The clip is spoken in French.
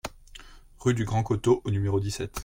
Rue du Grand Coteau au numéro dix-sept